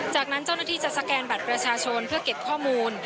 จากนั้นเจ้าหน้าที่จะสแกนบัตรประชาชนเพื่อเก็บข้อมูล